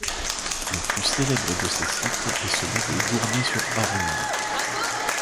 Le plus célèbre de ces sites est celui de Gournay-sur-Aronde.